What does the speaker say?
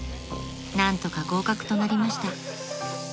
［何とか合格となりました］